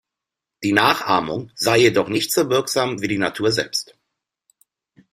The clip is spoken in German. Die Nachahmung sei jedoch nicht so wirksam wie die Natur selbst.